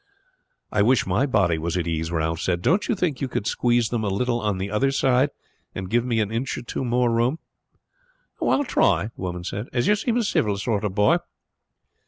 "I wish my body was at ease," Ralph said. "Don't you think you could squeeze them a little on the other side and give me an inch or two more room?" "I will try," the woman said; "as you seem a civil sort of boy."